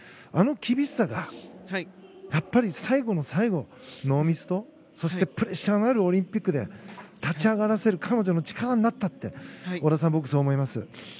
あの厳しさがやっぱり最後の最後ノーミスと、そしてプレッシャーのあるオリンピックで立ち上がらせる彼女の力になったって織田さん、僕はそう思います。